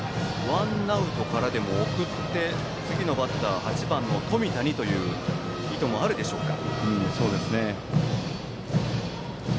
ワンアウトからでも送って次のバッター冨田へという意図もあるでしょうか。